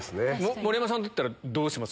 盛山さんだったらどうします？